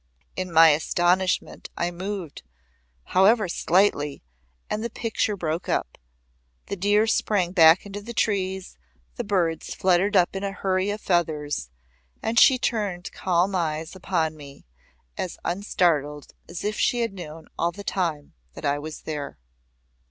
In my astonishment I moved, however slightly, and the picture broke up. The deer sprang back into the trees, the birds fluttered up in a hurry of feathers, and she turned calm eyes upon me, as unstartled as if she had known all the time that I was there.